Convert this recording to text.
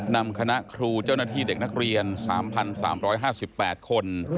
นำคณะครูเจ้าหน้าที่เด็กนักเรียน๓๓๕๘คน